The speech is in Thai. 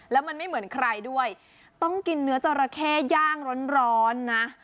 แล้วมันไม่เหมือนใครด้วยต้องกินเนื้อจราเข้ย่างร้อนนะ